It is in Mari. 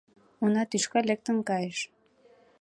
Уна тӱшка лектын кайыш.